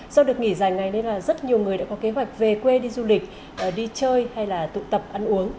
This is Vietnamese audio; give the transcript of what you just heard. do được nghỉ dài ngày nên là rất nhiều người đã có kế hoạch về quê đi du lịch đi chơi hay là tụ tập ăn uống